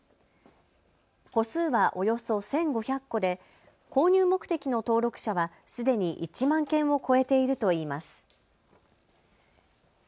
戸数はおよそ１５００戸で購入目的の登録者はすでに１万件を超えているといいます。